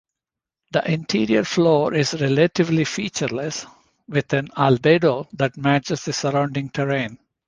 The interior floor is relatively featureless, with an albedo that matches the surrounding terrain.